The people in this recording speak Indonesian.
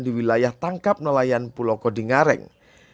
di wilayah tangkap nelayan pulau kodingareng